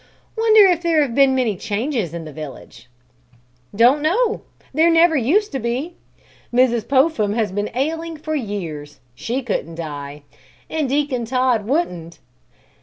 "Wonder if there have been many changes in the village?" "Don't know; there never used to be! Mrs. Popham has been ailing for years, she couldn't die; and Deacon Todd wouldn't!"